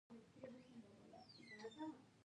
چې درې نورې هم راغلې، ډېر په ویره کې شوو.